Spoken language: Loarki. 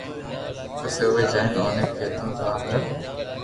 پسي اووي جائين اوني ڪيڌو تو آ ڪر